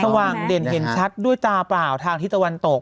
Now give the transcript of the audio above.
ว่างเด่นเห็นชัดด้วยตาเปล่าทางที่ตะวันตก